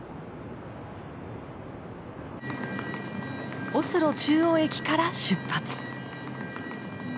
オスロ中央駅から出発！